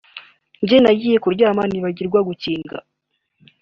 njye nagiye kuryama nibagirwa gukinga